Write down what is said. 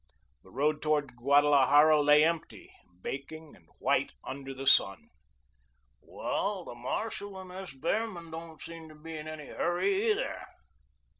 The road towards Guadalajara lay empty, baking and white under the sun. "Well, the marshal and S. Behrman don't seem to be in any hurry, either."